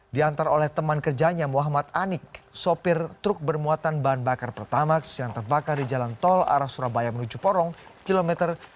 diantar oleh teman kerjanya muhammad anik sopir truk bermuatan bahan bakar pertamax yang terbakar di jalan tol arah surabaya menuju porong km